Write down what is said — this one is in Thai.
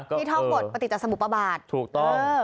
ที่ท่องกฎประติศสมุปบาทถูกต้องเออ